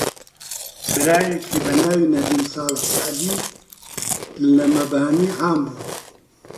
برایەکی بە ناوی نەدیم ساڵح سەعدی لە مەبانی عام بوو